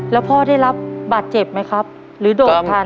แล้วพ่อได้รับบาดเจ็บไหมครับหรือโดดทัน